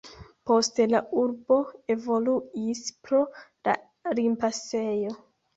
Poste la urbo evoluis pro la limpasejo.